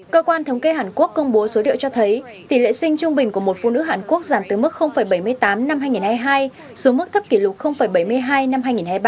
cơ quan thống kê hàn quốc công bố số điệu cho thấy tỷ lệ sinh trung bình của một phụ nữ hàn quốc giảm từ mức bảy mươi tám năm hai nghìn hai mươi hai xuống mức thấp kỷ lục bảy mươi hai năm hai nghìn hai mươi ba